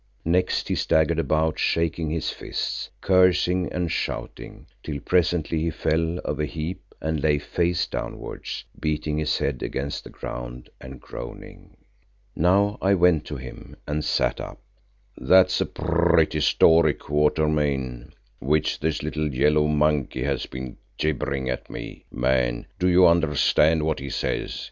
Next he staggered about, shaking his fists, cursing and shouting, till presently he fell of a heap and lay face downwards, beating his head against the ground and groaning. Now I went to him because I must. He saw me coming and sat up. "That's a pretty story, Quatermain, which this little yellow monkey has been gibbering at me. Man, do you understand what he says?